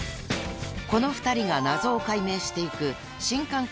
［この２人が謎を解明していく新感覚］